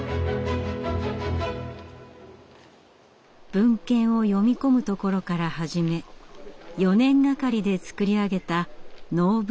文献を読み込むところから始め４年がかりで造り上げた能舞台。